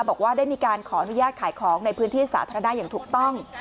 บอกว่าได้มีการขออนุญาตขายของในพื้นที่สาธารณะอย่างถูกต้อง